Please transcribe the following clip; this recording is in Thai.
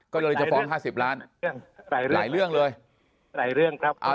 ก็จะฟ้อง๕๐ล้านหลายเรื่องเลยหลายเรื่องครับ